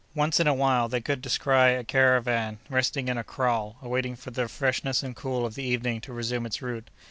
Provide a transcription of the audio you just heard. Once in a while they could descry a caravan resting in a "kraal," awaiting the freshness and cool of the evening to resume its route.